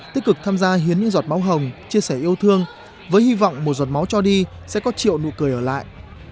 tích cực tham gia hiến những giọt máu hồng chia sẻ yêu thương với hy vọng một giọt máu cho đi sẽ có triệu nụ cười ở lại